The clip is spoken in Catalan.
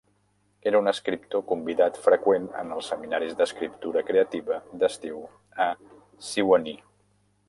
Era un escriptor convidat freqüent en els seminaris d'escriptura creativa d'estiu a Sewanee.